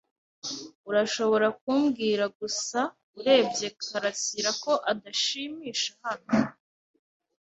Urashobora kubwira gusa urebye karasira ko adashimisha hano.